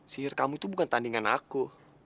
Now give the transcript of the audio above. sihir kamu itu bukan tandingan aku